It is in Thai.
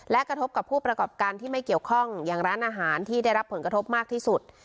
และกระทบกับผู้ประกอบการที่ไม่เกี่ยวข้องอย่างร้านอาหารที่ได้รับผลกระทบมากที่สุด